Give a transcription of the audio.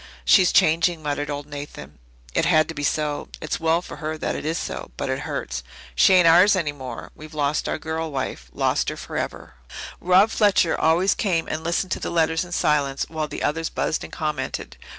"She's changing," muttered old Nathan. "It had to be so it's well for her that it is so but it hurts. She ain't ours any more. We've lost the girl, wife, lost her forever." Rob Fletcher always came and listened to the letters in silence while the others buzzed and commented.